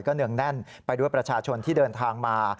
เนื่องแน่นไปด้วยประชาชนที่เดินทางมา